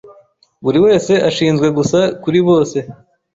Buri wese ashinzwe gusa kuri bose.